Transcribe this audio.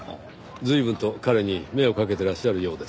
随分と彼に目をかけてらっしゃるようですね。